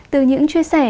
từ những chia sẻ